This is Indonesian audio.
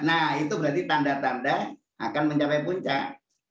nah itu berarti tanda tanda akan mencapai puncak